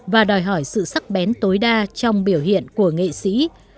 và đòi hỏi sự sắc bén tối đa trong biểu hiện của nghệ sĩ